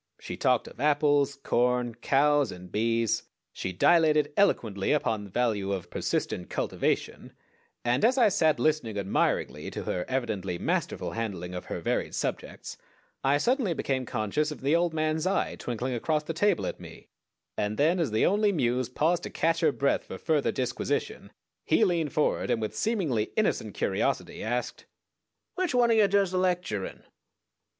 She talked of apples, corn, cows, and bees. She dilated eloquently upon the value of persistent "cultivation," and as I sat listening admiringly to her evidently masterful handling of her varied subjects I suddenly became conscious of the old man's eye twinkling across the table at me, and then, as the Only Muse paused to catch her breath for further disquisition, he leaned forward, and with seemingly innocent curiosity asked: "_Which one o' ye does the lecturin'?